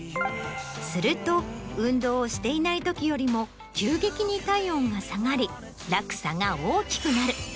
すると運動をしていないときよりも急激に体温が下がり落差が大きくなる。